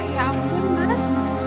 ya ampun mas